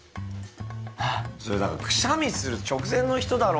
それだからくしゃみする直前の人だろ！